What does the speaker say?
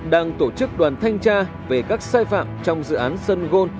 đang tổ chức đoàn thanh tra về các sai phạm trong dự án sân gôn